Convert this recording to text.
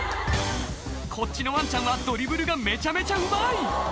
こっちのワンちゃんはドリブルがめちゃめちゃうまい